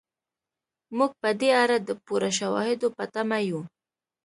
موږ په دې اړه د پوره شواهدو په تمه یو.